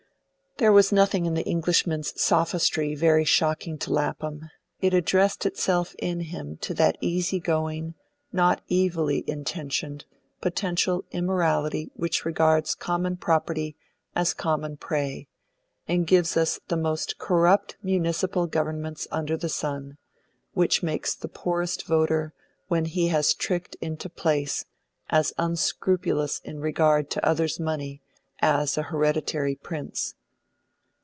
There was nothing in the Englishman's sophistry very shocking to Lapham. It addressed itself in him to that easy going, not evilly intentioned, potential immorality which regards common property as common prey, and gives us the most corrupt municipal governments under the sun which makes the poorest voter, when he has tricked into place, as unscrupulous in regard to others' money as an hereditary prince.